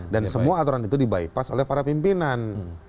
dan semua aturan itu di bypass oleh para pimpinan